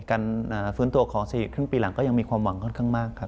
การฟื้นตัวของเศรษฐกิจครึ่งปีหลังก็ยังมีความหวังค่อนข้างมาก